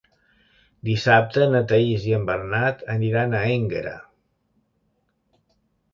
Dissabte na Thaís i en Bernat aniran a Énguera.